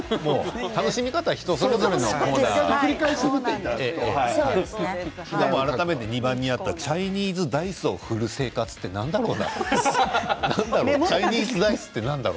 楽しみ方は人それぞれのコーナーなので改めて２番にあったチャイニーズダイス振る生活って何なんだろう。